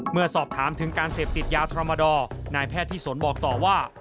เมื่อสอบถามถึงการเสพติดยาทรมาดอร์นายแพทย์ที่สนบอกต่อว่า